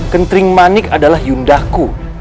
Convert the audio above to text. kenkering manik adalah yundaku